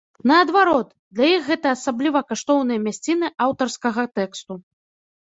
Наадварот, для іх гэта асабліва каштоўныя мясціны аўтарскага тэксту.